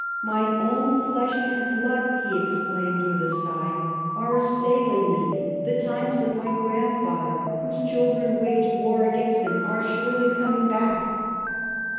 "My own flesh and blood," he exclaimed with a sigh, " are assailing me ; the times of my grandfather, whose children waged war against him, are surely coming back."